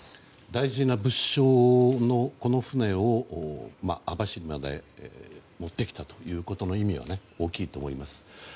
大事な物証のこの船を網走まで持ってきたということの意味は大きいと思います。